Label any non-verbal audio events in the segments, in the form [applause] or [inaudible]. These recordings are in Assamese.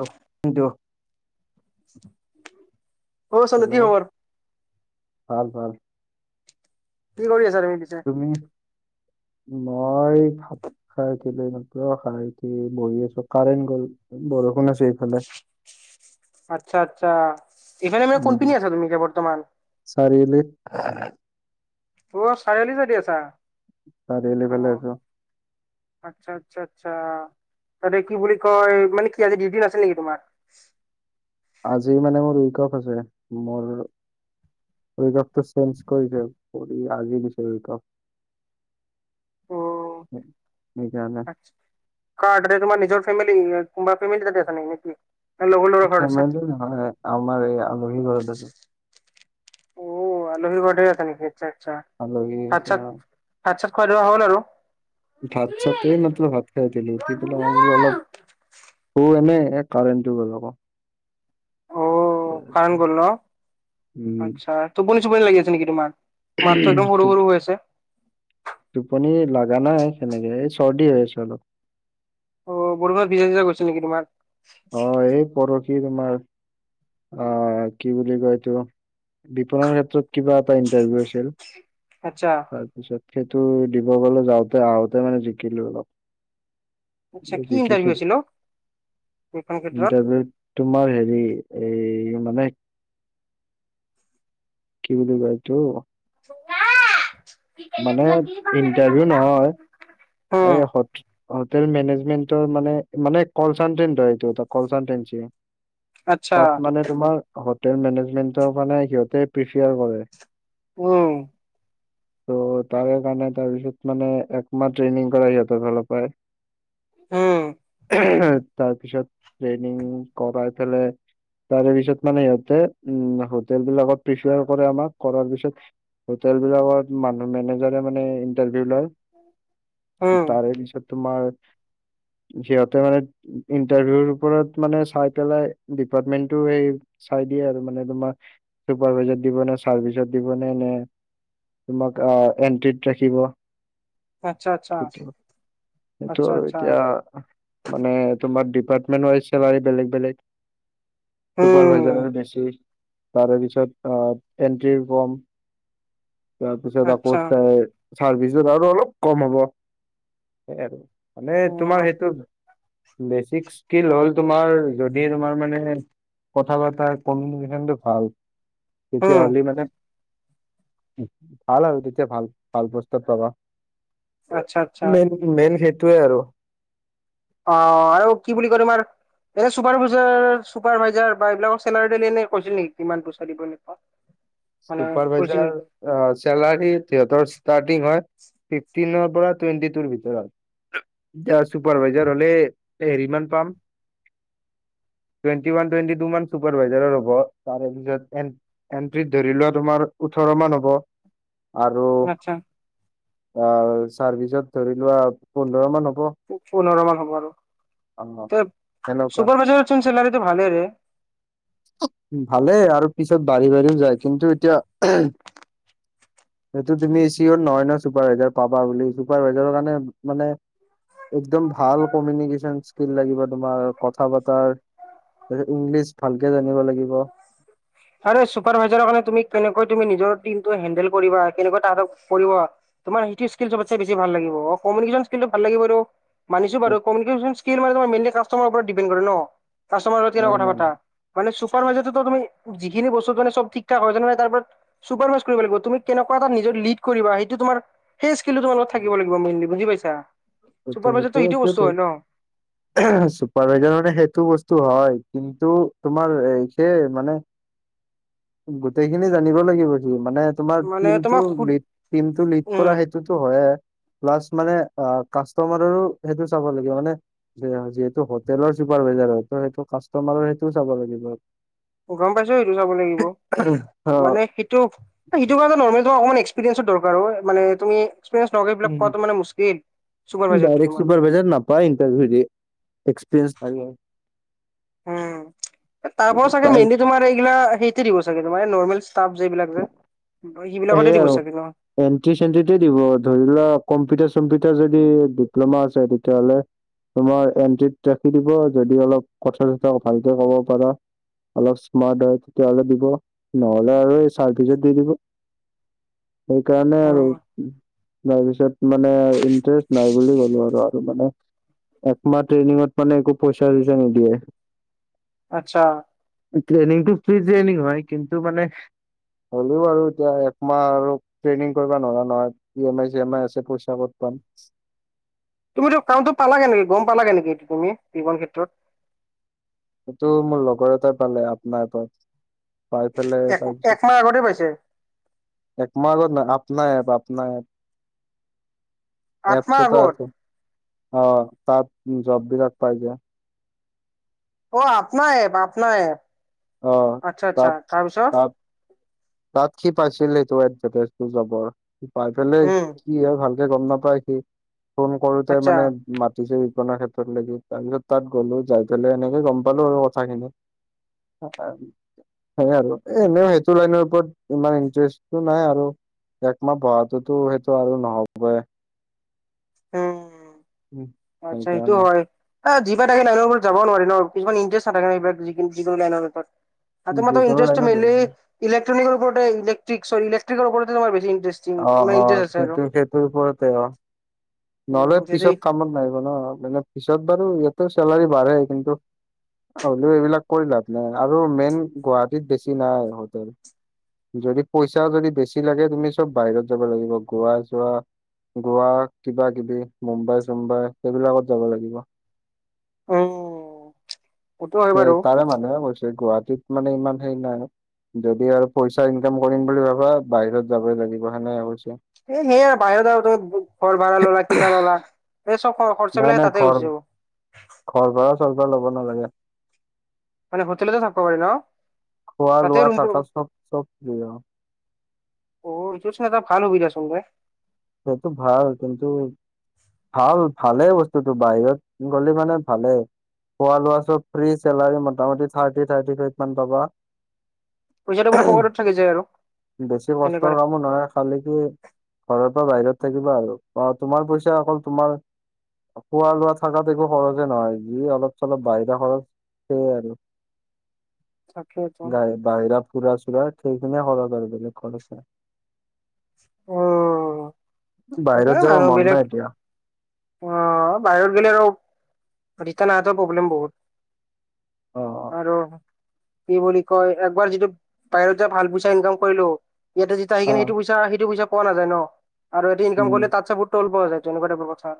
অ কিন্তু [inaudible] কি হেল্ল', খবৰ ভাল, ভাল। কি কৰি আছা তুমি পিছে? উ মই ভ খাই উঠিলো এই মাত্ৰ। খাই উঠি বহি আছো, কাৰেণ্ট গ'ল। বৰষুণ আছে এইফালে। আচ্ছা, আচ্ছা। ইফালে মানে কোনপিনি আছা তুমি কে বৰ্তমান? চাৰিআলিত। অ চাৰিআলি ছাইডে আছা। চাৰিআলি অ ফালে আছো। আচ্ছা, আচ্ছা, আচ্ছা। তাতে কি বুলি কয়, মানে কি আজি ডিউটি নাছিল নেকি তোমাৰ? আজি মানে মোৰ উইক অফ আছে। মৰ এই কাপটো চেঞ্জ কৰিছে। [unintelligible] আজি দিছে [unintelligible] কাপ। অ। [unintelligible] সেইকাৰণে [unintelligible] তাতে তোমাৰ নিজৰ ফেমেলি [unintelligible] ফেমেলি তাতে আছে নে কি? ফেমেলি নহয়, আমাৰ এই আলহী ঘৰত আছো। অও আলহী ঘৰতহে আছা নেকি? আচ্ছা, আচ্ছা। আলহী [unintelligible] ভাত-চাত খোৱা-ধোৱা হ'ল আৰু? ভাত-চাত এই মাত্ৰ ভাত খাই উঠিলোঁ। উঠি পেলাই মই বোলো অলপ অ এনে এ কাৰেণ্টটো গ'ল আক'। কাৰেণ্ট গল ন? আচ্ছা, টোপনি-চোপনি লাগি আছে নেকি তোমাৰ? মাতটো একদম উম সৰু সৰু হৈ আছে। টোপনি লাগা নাই সেনেকে। এ চৰ্দি হৈ আছে অলপ। অ [unintelligible] গৈছে নেকি তোমাৰ? অ, এই পৰসি তোমাৰ আ কি বুলি কয় এইটো বিপণন ক্ষেত্ৰত কিবা এটা ইন্টাৰভিউ আছিল। আটছা। তাৰপিছত সেইটো দিব গলে যাওঁতে আহোতে মানে জিকিলো অলপ। আটছা, কি ইণ্টাৰভিউ আছিল অ? এইখন ক্ষেত্ৰত ইণ্টাৰভিউত তোমাৰ হেৰি এই মানে কি বুলি কৈ [unintelligible] [unintelligible] মানে ইণ্টাৰভিউ নহয়, উম এই স হোটেল মেনেজমেন্টৰ মানে-মানে কলচানতেন্ত আৰু এইটো এটা কলচানতেন্সী। আচ্ছা তাত মানে তোমাৰ হোটেল মেনেজমেণ্টৰ কাৰণে সিহঁতে প্ৰিফেিয়াৰ কৰে। উম। ত' তাৰে কাৰণে তাৰপিছত মানে একমাত্ৰ ট্ৰেনিং কৰাই সিহঁতৰ ফালৰ পৰাই। উম। এহ তাৰপিছত ট্ৰেইনিং কৰাই পেলাই তাৰে পিছত মানে সিহঁতে উম হোটেল বিলাকত প্ৰিফাৰ কৰে আমাক, কৰাৰ পিছত হোটেল বিলাকত মানুহ মেনেজাৰে মানে ইণ্টাৰভিউ লয়। উম [inaudible] তাৰে পিছত তোমাৰ সিহঁতে মানে ইন্টাৰভিউৰ ওপৰত মানে চাই পেলাই ডিপাৰ্টমেন্টটো সেই চাই দিয়ে আৰু মানে তোমাৰ চুপাৰাইজাৰ দিব ন চাৰ্ভিচত দিব ন নে তোমাক অ, এণ্ট্ৰিত ৰাখিব। আচ্চা-আচ্চা। সেইটো-সেইটো আৰু এতিয়া মানে তোমাৰ ডিপাৰ্টমেণ্ট ৱাইজ চেলাৰী বেলেগ-বেলেগ। চুপাৰ উম ভাইজাৰৰ বেছি, তাৰে পিছত আহ এণ্ট্ৰিৰ কম। তাৰপিছত আকৌ আচ্ছা [unintelligible] চাৰ্ভিছত আৰু অলপ কম হ'ব। মানে উম তোমাৰ সেইটো বেচিক স্কিল হ'ল তোমাৰ যদি তোমাৰ মানে কথা পতা কমিনিকেচনটো ভাল তেতিয়া উম, হ'লে মানে--ভাল আৰু তেতিয়া ভাল-ভাল পষ্টত পাবা। আচ্ছা-আচ্ছা। মেইন মেইন সেইটোয়ে আৰু। অ', আৰু কি বুলি কয় তোমাৰ এনে চুপাৰভাজাৰ-চুপাৰভাইজাৰ বা এইবিলাকৰ চেলাৰি তেলাৰি এনে কৈছিল নেকি কিমান পইচা দিব এনেকা? চুপাৰভাইজাৰ চেলাৰী তাহাঁতৰ ষ্টাৰ্টিং হয় ফিফটিনৰ পৰা টুৱেণ্টি টুৰ ভিতৰত, এতিয়া চুপাৰভাইজাৰ হলে এ হেৰি মান পাম। টুৱেণ্টি ওৱান টুৱেণ্টি টু মান চুপাৰভাইজাৰৰ হ'ব তাৰে পিছত এট্ৰিত ধৰি লোৱা তোমাৰ ওঠৰ মান হ'ব, আৰু আচ্ছা আৰু চাৰ্ভিচত ধৰি লোৱা পোন্ধৰ মান হ'ব। পোন্ধৰ মান হ'ব আৰু। অ সেনেকুৱা চুপাৰভাইজাৰৰ চোন চেলাৰিটো ভালে ৰে। ভালেই আৰু পিছত বাঢ়ি-বাঢ়িও যায়, কিন্তু এতিয়া সেইটো তুমি চিয়ৰ নহয় ন চুপাৰ ভাইজাৰ পাবা বুলি চুপাৰ ভাইজাৰৰ কাৰণে মানে একদম ভাল কমিউনিকেশ্যন স্কিল লাগিব তোমাৰ কথা পতাৰ তাৰপিছত ইংলিছ ভালকে জানিব লাগিব। আৰু চুপাৰভাইজাৰৰ কাৰণে তুমি কেনেকৈ তুমি নিজৰ টিমতো হেন্ডেল কৰিবা, কেনেকৈ তাহাতক কৰিব তোমাৰ সেইটো স্কিল চবতছে বেছি ভাল লাগিব। অ', কমিউনিকেশ্বন স্কিলটো ভাল লাগিব সেইটো মানিছো বাৰু কমিউনিকেশ্বন স্কিল মানে তোমাৰ মেইনলি কাষ্টামাৰৰ ওপৰত ডিপেণ্ড কৰে ন? কাষ্টামাৰৰ লগত কেনে নাই কথা নাই পাতা। মানে চুপাৰভাইজাৰতো ত তুমি যিখিনি বস্তু মানে সব ঠিক ঠাক হয় তেনেহলে তাৰ ওপৰত চুপাৰভাইচ কৰিব লাগিব, তুমি কেনেকোৱা এটা নিজৰ লিড কৰিবা সেইটো তোমাৰ সেই স্কিলতো তোমাৰ লগত নাই থাকিব লাগিব, মেইনলি বুজি পাইছা, চুপাৰভাইজাৰটো সেইটো বস্তু হয় ন। [inaudible] চুপাৰ ভাইজাৰ মানে সেইটো বস্তু হয়, কিন্তু তোমাৰ সেই মানে গোটেইখিনি জানিব লাগিব সি মানে তোমাৰ মানে টিমটো তোমাক সুধ লিড টিমটো লিড কৰা উম সেইটোতো হয়ে, প্লাছ মানে অ কাষ্টমাৰৰো সেইটো চাব লাগিব মানে যি যিহেতু হোটেলৰ চুপাৰভাইজাৰ হয়, ত' সেইটো কাষ্টমাৰৰ সেইটোও চাব লাগিব। গম পাইছো সেইটো চাব লাগিব, মানে সেইটো এ সেইটো কাৰণে নৰ্মেল অকমান এক্সপেৰিয়েঞ্চৰ দৰকাৰ, মানে তুমি এক্সপিৰিয়েঞ্চ নোহোৱাকে এইবিলাক পোৱাতো মানে মু্স্কিল, চুপাৰভাইজাৰটো তোমাৰ। চুপাৰভাইজাৰত না পোৰা ইণ্টাৰভিউ দিয়ে, এক্সপেৰিয়েঞ্চ লাগে। উম, তাৰ পৰা চাগে মেইনলি তোমাৰ এইগিলা সেই তি দিব চাগে, তোমাৰ এই নৰ্মেল ষ্টাফ যে এইবিলাক যে, সেইবিলাকতে দিব চাগে ন। এণ্ট্ৰি চেণ্ট্ৰিতে দিব ধৰি লোৱা কম্পিউটাৰ চম্পিউটাৰ যদি ডিপ্ল'মা আছে তেতিয়াহ'লে। তোমাৰ এণ্ট্ৰিত ৰাখি দিব, যদি অলপ কথা চথা ভালকে ক'ব পাৰা। অলপ স্মাৰ্ট হয় তেতিয়াহ'লে দিব, নহ'লে আৰু এই চাৰ্ভিচত দি দিব। সেইকাৰণে আৰু। উম তাৰপিছত মানে ইন্টাৰেষ্ট নাই বুলি ক'লো, আৰু-আৰু মানে একমাহ ট্ৰেইনিঙত মানে একো পইচা চইচা নিদিয়ে। আচ্ছা। ট্ৰেইনিংটো ফ্ৰী ট্ৰেইনিং হয়, কিন্তু মানে হ'লেও আৰু এতিয়া একমাহ আৰু ট্ৰেইনিং কৰিব নোৱাৰা নহয়, E M I C M I আছে পইচা ক'ত পাম। তুমিতো কামটো পালা কেনেকে, গম পালা কেনেকে এইটো তুমি, [unintelligible] ক্ষেত্ৰত। এইটো মোৰ লগৰ এটাই পালে আপোনাৰ পৰা, পাই পেলাই এক তাৰপিছত একমাহ আগতে পাইছে একমাহ আগত ন আপনা এপ- আপনা এপ, আঠ এপছ মাহ এটা আগত আছে। অ', তাত জববিলাক পাই যায়। অ', আপনা এপ-আপনা এপ, অ আচ্ছা- আচ্ছা, তাত তাৰপিছত। তাত তাত কি পাইছিলে সেইটো এডভেটাইছটো যাব আৰু পাই পেলাই উম কি হয় ভাল [unintelligible] গম নাপাই সি, ফোন কৰোতে আচ্ছা মানে মাতিছে বিপণা ক্ষেত্ৰৰ লেকে, তাৰ পিছত তাত গ'লো যায় পেলাই এনেকে গম পালো আৰু কথাখিনি। [unintelligible] সেয়ে আৰু এ এনেও এইটো লাইনৰ [unintelligible] ইমান ইণ্টাৰেষ্টটো নাই আৰু একমাহ পঢ়াতোতো সেইটো আৰু নহ'বই। উম, উম, আচ্ছা এইটো সেইকাৰণে হয়। এ যি পাই তাকে লাইনৰ ওপৰত যাব নোৱাৰি ন, কিছুমান ইণ্টাৰেষ্ট নাথাকে এইবিলাক যি যিকোনো লাইনৰ ওপৰত। আৰু তোমাৰটো যোগাৰ ইনটাৰেষ্টটো লাইনত মেইনলি ধৰিবি। ইলেট্ৰনিকৰ ওপৰতে ইলেকট্ৰিক, চ' ইলেকট্ৰিকেলৰ ওপৰতে তোমাৰ বেছি ইনটাৰেষ্ট। অ', অ', সেইটো সেইটোৰ ওপৰতে অ'। নহ'লে উম যদি পিছত কামত নাহিব ন, মানে পিছত বাৰু ইয়াতো চেলাৰী বাঢ়ে, কিন্তু হ'লেও এইবিলাক কৰি লাভ নাই আৰু মেইন গুৱাহাটীত বেছি নাই হোটেল। যদি পইচা যদি বেছি লাগে, তুমি চব বাহিৰত যাব লাগিব, গ'ৱা চ'ৱা। গ'ৱা কিবা কিবি মুম্বাই চুম্বাই সেইবিলাকত যাব লাগিব। উম। সেইটো হয় সেই বাৰু। তাৰে মানুহে কৈছে, গুৱাহাটীত মানে ইমান হেৰি নাই। যদি আৰু পইচা ইনকাম কৰিম বুলি ভাবে, বাহিৰত যাবই লাগিব সেনেকে কৈছে। সেই সেয়া আৰু বাহিৰত আৰু তোৰ ঘৰ ভাড়া ল'লা কিবা ল'লা। এই চব খ নাই খৰচাবিলাক নাই তাতে ঘৰ গুচি যাব। ঘৰ ভাড়া চৰ ভাড়া ল'ব নালাগে। মানে হোটেলতে থাকিব পাৰি ন। খোৱা তাতে লোৱা ৰুম থকা চব- চব দিব। অ', এইটো চাইদত ভাল সুবিধাচোন ৰে। সেইটো ভাল কিন্তু ভাল ভালেই বস্তুটো, বাহিৰত গ'লে মানে ভালেই। খোৱা লোৱা চব ফ্ৰী, চেলাৰী মোটামটি থাৰ্টি- থাৰ্টি ফাইভ মান পাবা। পইচাটো পুৰা পকেটত থাকি যায় আৰু বেছি সেনেকুৱা কষ্টৰ কামো নহয়, খালি কি ঘৰৰ বাহিৰত থাকিবা আৰু অ', তোমাৰ পইচা অকল তোমাৰ খোৱা লোৱা থাকাত একো খৰচে নহয়, যি অলপ চলপ বাহিৰা খৰচ সেইয়া আৰু। থাকে গা বাহিৰা ফুৰা চুৰা সেইখিনিয়ে খৰচ আৰু বেলেগ খৰচ নাই। উম, নাই বাহিৰত সেইকাৰণে যাব মন নাই মানুহবিলাক এতিয়া অ', বাহিৰত গ'লে আৰু ৰিটাৰ্ণ আহাটো প্ৰব্লেম বহুত। অ অ আৰু কি বুলি কয়, একবাৰ যিটো বাহিৰতে ভাল পইচা ইনকাম কৰিলো ইয়াতে যেতিয়া আহি অ কিনে এইটো পইচা সেইটো পইচা পোৱা নাযায় ন আৰু ইয়াতে ইনকাম উম কৰিলে তাত চাবত তল পোৱা যায়, তেনেকোৱা টাইপৰ কথা।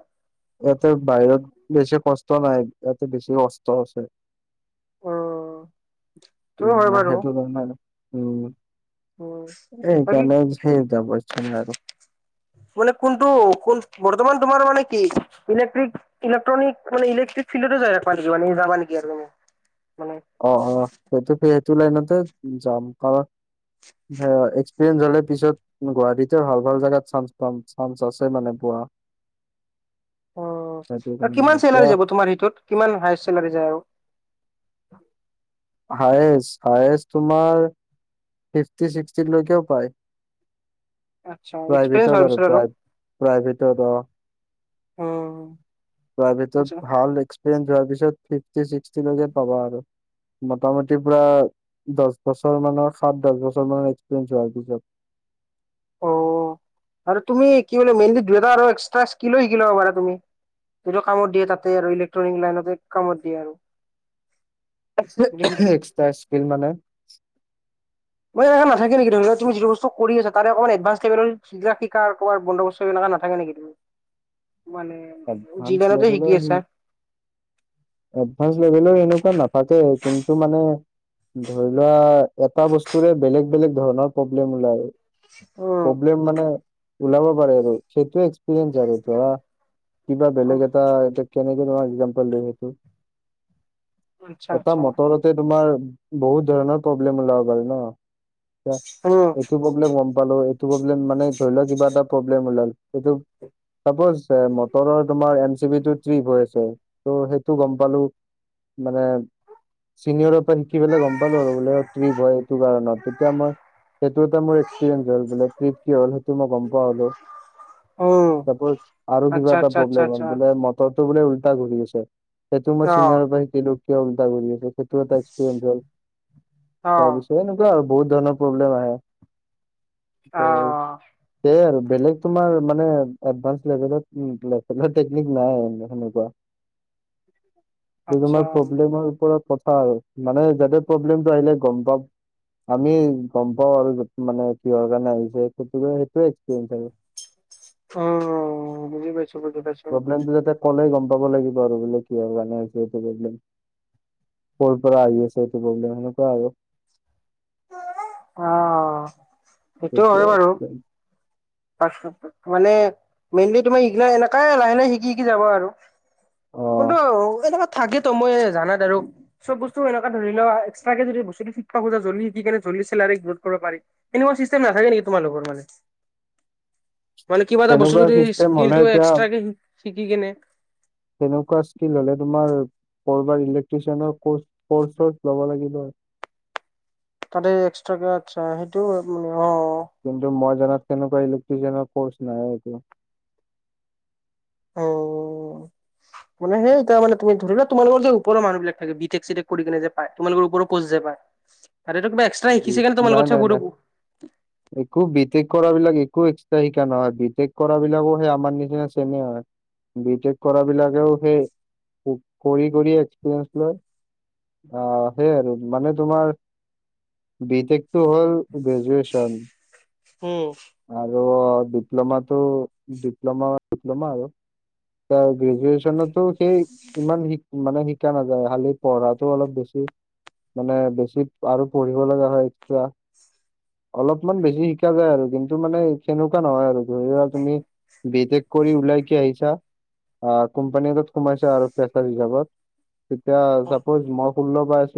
ইয়াতে বাহিৰত বেছি কষ্ট নাই, ইয়াতে বেছি কষ্ট আছে। উম, সেইটো উম, হয় বাৰু। সেইটো কাৰনে মানে, উম। বাকী এইকাৰণে সেই যাব ইচ্ছা নাই আৰু। মানে কোনটো কোন বৰ্তমান তোমাৰ মানে কি। ইলেক্ট্ৰিক ইলেকট্ৰনিক মানে ইলেক্ট্ৰিক ফিল্ডতো যায় নেকি মানে যাবা নেকি আৰু। মানে অ', অ', সেইটোতে সেইটো লাইনতে যাম, কাৰণ হা এক্সপিৰিয়েঞ্চ হ'লে পিছত গুৱাহাটীটো ভাল- ভাল জেগাত চানচ পাম, চানচ আছে মানে পোৱা। উম, সেইটো আৰু কাৰণে কিমান এতিয়া চেলাৰী যাব তোমাৰ এটোত, কিমান হাইচ চেলাৰী যায় আৰু। হায়েষ্ট-হায়েষ্ট তোমাৰ ফিফটি ছিক্সটি লৈকেও পায়। আচ্ছা এক্সপিৰিয়েঞ্চ হোৱাৰ প্ৰাইভেটত আৰু পিছত প্ৰা প্ৰাইভেটত অ'। উম। প্ৰাইভেটত আচ্ছা। ভাল এক্সপিৰিয়েঞ্চ হোৱাৰ পিছত ফিফটি ছিক্সটি লৈকে পাবা আৰু। মোটামুটি পুৰা দছ বছৰ মানৰ সাত দছ বছৰ মানৰ এক্সপিৰিয়েঞ্চ হোৱাৰ পিছত। অ', আৰু তুমি কি বুলি মেইনলি দুই এটা আৰু এক্সট্ৰা স্কিলো শিকি ল'ব পাৰা তুমি। যিটো কামত দিয়ে তাতে আৰু ইলেক্ট্ৰনিক লাইনতে কামত দিয়ে আৰু। যদি শিকি এক্সটা স্কিল মানে মই এইকাৰণেই নাথাকিম নিকি ধৰি লোৱা, তুমি যিটো বস্তু কৰি আছা তাৰে অকণ এডভাঞ্চ লেভেলৰ ইগিলা শিকাৰ ক'ৰবাৰ বন্দবস্ত এনেকুৱা নাথাকে নেকি, তুমি মানে যি এডভানচ লাইনতে শিকি লেভেলৰ সি আছা এডভানছ লেভেলৰ এনেকুৱা নাথাকে, কিন্তু মানে ধৰি লোৱা এটা বস্তুৰে বেলেগ-বেলেগ ধৰণৰ প্ৰব্লেম ওলায়। অ'। প্ৰব্লেম মানে ওলাব পাৰে আৰু সেইটোৱে এক্সপিৰিয়েঞ্চ আৰু ধৰা কিবা বেলেগ উম এটা, এইটো কেনেকে তোমাক একজাম্পল দিম এইটো। আচ্ছা এটা আচ্ছা মটৰতে তোমাৰ বহুত ধৰণৰ প্ৰব্লেম ওলাব পাৰে ন। চা, উম এইটো ব মানে গম পালো হয়, এইটো প্ৰব্লেম মানে ধৰি লোৱা কিবা এটা প্ৰব্লেম ওলাল, সেইটো চাপছ এ মটৰৰ তোমাৰ এম চি বি টোত কি হৈ আছে, ত' সেইটো গম পালো মানে চিনিয়ৰ পৰা শিকি পেলাই গম পালো আৰু বোলে ট্ৰিপ হয় এইটো কাৰণত, তেতিয়া মই সেইটো এটা মোৰ এক্সপেৰিয়েন্স হ'ল বোলে, ট্ৰিপ কি হ'ল সেইটো মই গম পোৱা হ'লো। উম চাপ'জ আৰু কিবা আচ্ছা এটা আচ্ছা আচ্ছা প্ৰব্লেম হ'ল আচ্ছা বোলে মটৰটো বোলে উল্টা ঘূৰি আছে, সেইটো মই অ চিনিয়ৰৰ পৰা শিকিলোঁ কিয় উল্টা ঘূৰি আছে। সেইটো এটা এক্সপেৰিয়েন্স হ'ল, অ তাৰপিছ সেই এনেকুৱা আৰু বহুত ধৰণৰ প্ৰব্লেম আহে, অ ত' সেইয়াই আৰু বেলেগ তোমাৰ মানে এডভানচ লেভেলত উম, [unintelligible] টেকনিক নাই আৰু সেনেকুৱা। আচ্ছা তোমাৰ প্ৰব্লেমৰ ওপৰত কথা আৰু মানে যাতে প্ৰব্লেমটো আহিলে গম পাম আমি গম পাওঁ আৰু মানে কিহৰ কাৰণে আহিছে, সেইটোৱে-সেইটোৱে এক্সপিৰিয়েঞ্চ আৰু। অ', অ', বুজি পাইছো-বুজি পাইছো। প্ৰব্লেমটো যাতে ক'লে গম পাব লাগিব আৰু বোলে কিহৰ কাৰণে হৈছে এইটো প্ৰব্লেম। ক'ৰ পৰা আহি আছে এইটো প্ৰব্লেম, সেনেকুৱা আৰু। অ'। সেইটো সেইটোৱে হয় বাৰু এক্সপিৰিয়েঞ্চ। [unintelligible] মানে মেইনলি তোমাৰ ইগিলাই এনেকাই লাহে- লাহে শিকি- শিকি যাবা আৰু। অ কোনটো এনেকুৱা থাকেতো মই জানাত আৰু চব বস্তু এনেকুৱা ধৰি লোৱা এক্সট্ৰাকে যদি বস্তুটো শিকি থাকোঁতে জল্দি শিকি কেনে জল্দি চেলাৰী গ্ৰ'থ কৰিব পাৰি। এনেকোৱা ছিষ্টেম নাথাকে নেকি তোমালোকৰ মানে। মানে কিবা এটা বস্তু তেনেকুৱা যদি চিষ্টেম হ'লে স্কিলটো এতিয়া এক্সট্ৰা কে শি শিকি কিনে তেনেকুৱা স্কিল হ'লে তোমাৰ ক'ৰবাৰ ইলেকট্ৰিচিয়ানৰ কৰ্চ কৰ্চত ল'ব লাগিব। তাতে এক্সট্ৰাকে আচ্ছা, সেইটোও হয় মানে অ'। কিন্তু মই জনাত কেনেকুৱা ইলেক্ট্ৰিচিয়ানৰ কৰ্চ নাই এইটো। অ'। [inaudible] মানে সেই এতিয়া মানে তুমি ধৰিলোৱা তোমাৰ লগৰ যে ওপৰৰ মানুহিলাকে থাকে বি টেক চি টেক কৰি কিনে যে পাই, তোমালোকৰ ওপৰৰ পোষ্ট যে পায়। আৰু এইটো কিবা এক্সট্ৰা শিকিছে কাৰণে এইটো তোমাৰ নাই নাই নাই লগত [unintelligible] একো বি টেক কৰা বিলাক একো এক্সট্ৰা শিকা নহয়, বি টেক কৰা বিলাকো সেই আমাৰ নিচিনা চেমে হয়। বি টেক কৰা বিলাকেও সেই কৰি- কৰি এক্সপিৰিয়েঞ্চ লয়। অ', সেইয আৰু মানে তোমাৰ বি টেকটো হ'ল গ্ৰেজুৱেচন। উম। আৰু ডিপ্ল'মাটো ডিপ্লমা- ডিপ্লমা আৰু। এতিয়া গ্ৰেজুয়্যচনতো সেই ইমান শি মানে শিকা নাযায়, খালী পঢ়াটো অলপ বেছি। মানে বেছি আৰু পঢ়িব লগা হয় এক্সট্ৰা। অলপমান বেছি শিকা যায় আৰু কিন্তু মানে সেনেকুৱা নহয় আৰু ধৰি লোৱা তুমি বি টেক কৰি ওলাই কি আহিছা, আ কোম্পানী এটাত সোমাইছা আৰু ফ্ৰেচাৰ হিচাপত। এতিয়া অ চাপজ মই ষোল্ল পাইছো